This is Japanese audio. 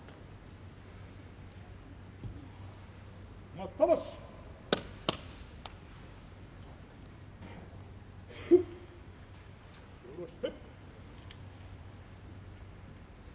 待ったなし。